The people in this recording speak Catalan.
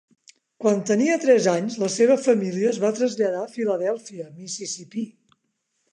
Quan tenia tres anys, la seva família es va traslladar a Philadelphia, Mississipí.